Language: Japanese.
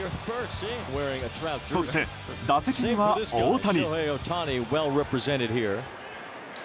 そして、打席には大谷。